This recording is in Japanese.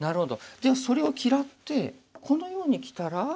じゃあそれを嫌ってこのようにきたら？